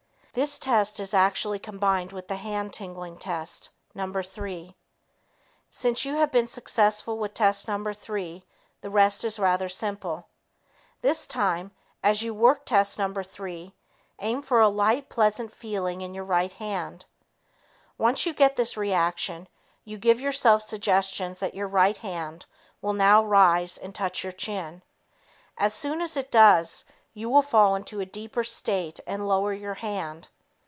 This test is actually combined with the hand tingling test No. 3. Since you have been successful with test No. 3, the rest is rather simple. This time as you work test No. 3, aim for a light, pleasant feeling in your right hand. Once you get this reaction, you give yourself suggestions that your right hand will now rise and touch your chin. As soon as it does, you will fall into a deeper state and lower your hand.